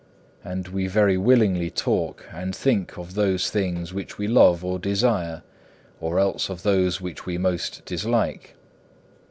And we very willingly talk and think of those things which we love or desire, or else of those which we most dislike.